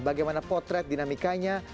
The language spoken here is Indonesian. bagaimana potret dinamikanya